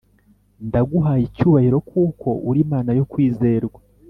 ndaguhaye icyubahiro kuko uri Imana yo kwizerwa